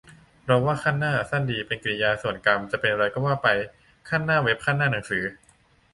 เราว่า "คั่นหน้า" สั้นดี เป็นกริยา ส่วนกรรมจะเป็นอะไรก็ว่าไป คั่นหน้าเว็บ คั่นหน้าหนังสือ